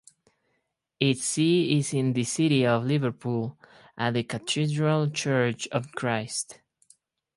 Its see is in the City of Liverpool at the Cathedral Church of Christ.